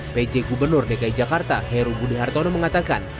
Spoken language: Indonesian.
pj gubernur dki jakarta heru budi hartono mengatakan